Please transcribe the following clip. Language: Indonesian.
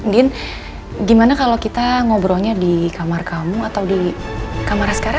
din gimana kalau kita ngobrolnya di kamar kamu atau di kamarnya sekarang